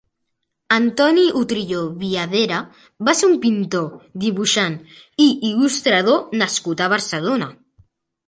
Antoni Utrillo Viadera va ser un pintor, dibuixant i il·lustrador nascut a Barcelona.